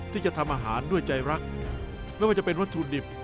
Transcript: ที่จะทำอาหารด้วยใจรักไม่ว่าจะเป็นวัตถุดิบ